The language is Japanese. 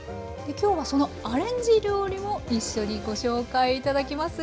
今日はそのアレンジ料理も一緒にご紹介頂きます。